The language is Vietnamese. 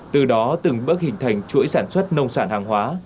từ đó từng bước hình thành chuỗi sản xuất nông sản hàng hóa